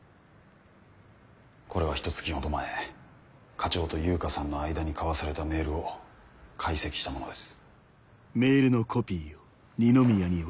これはひと月ほど前課長と悠香さんの間に交わされたメールを解析したものです。